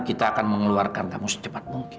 kita akan mengeluarkan kamu secepat mungkin